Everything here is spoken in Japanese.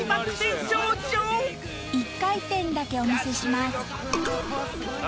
１回転だけお見せします。